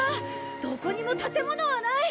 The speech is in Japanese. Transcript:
どこにも建物はない！